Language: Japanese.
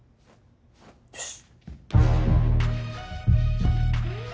よし。